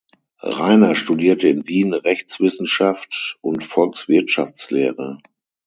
Rainer studierte in Wien Rechtswissenschaft und Volkswirtschaftslehre.